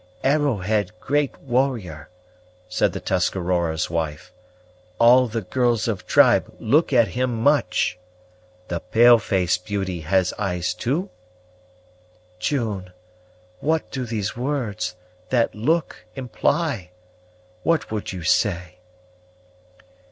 "Arrowhead great warrior," said the Tuscarora's wife. "All the girls of tribe look at him much. The pale face beauty has eyes too?" "June! what do these words that look imply? what would you say?"